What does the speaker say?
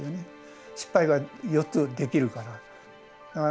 失敗が４つできるから。